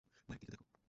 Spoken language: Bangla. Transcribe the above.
মায়ের দিকে দেখো।